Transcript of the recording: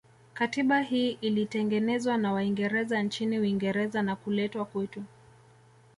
Katiba hii ilitengenezwa na waingereza nchini Uingereza na kuletwa kwetu